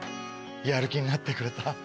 やる気になってくれた。